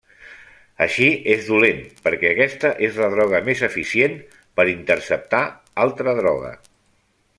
Així és dolent perquè aquesta és la droga més eficient per interceptar altra droga.